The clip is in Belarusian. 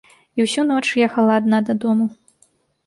І ўсю ноч ехала адна дадому.